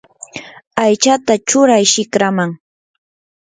aychata churay shikraman.